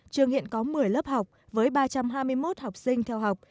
trường hiện có một mươi lớp học với ba trăm hai mươi một học sinh theo học